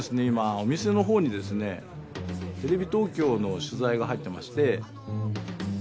今お店のほうにですねテレビ東京の取材が入ってまして。